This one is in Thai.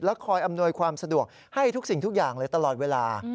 คอยอำนวยความสะดวกให้ทุกสิ่งทุกอย่างเลยตลอดเวลา